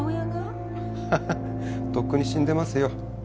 ハハッとっくに死んでますよ。